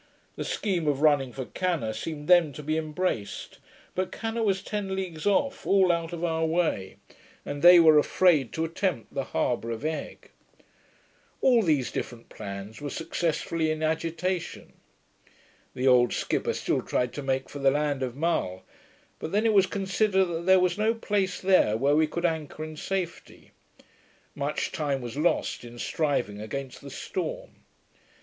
The scheme of running for Canna seemed then to be embraced; but Canna was ten leagues off, all out of our way; and they were afraid to attempt the harbour of Egg. All these different plans were sucessively in agitation. The old skipper still tried to make for the land of Mull, but then it was considered that there was no place there where we could anchor in safety. Much time was lost in striving against the storm.